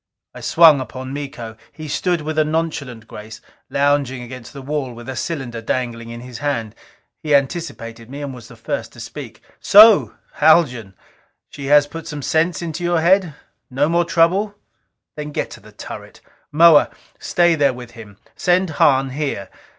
I swung upon Miko. He stood with a nonchalant grace, lounging against the wall with a cylinder dangling in his hand. He anticipated me, and was the first to speak. "So, Haljan, she put some sense into your head? No more trouble? Then get into the turret. Moa, stay there with him. Send Hahn here.